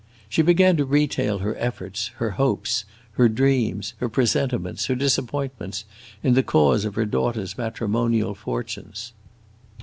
She began to retail her efforts, her hopes, her dreams, her presentiments, her disappointments, in the cause of her daughter's matrimonial fortunes.